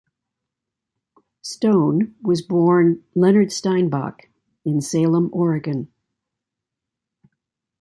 Stone was born Leonard Steinbock in Salem, Oregon.